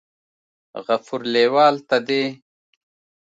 غفور لیوال ته دې